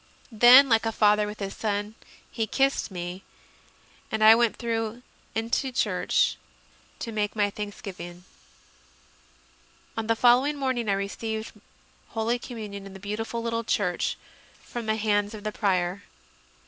Then, like a father with his son, he kissed me, and I went through into church to make my thanksgiving. On the following morning I received Holy Com munion in the beautiful little church, from the hands of the Prior.